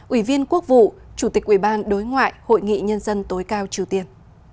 ủy viên quốc vụ chủ tịch ubnd hội nghị nhân dân tối cao triều tiên